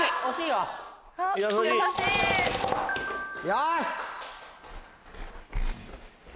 よし！